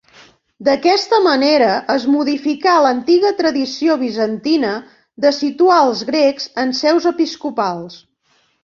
D'aquesta manera, es modificà l'antiga tradició bizantina de situar als grecs en seus episcopals.